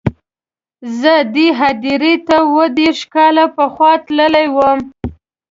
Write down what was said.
زه دې هدیرې ته اووه دېرش کاله پخوا تللی وم.